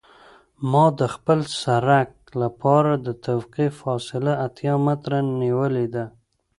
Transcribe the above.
ما د خپل سرک لپاره د توقف فاصله اتیا متره نیولې ده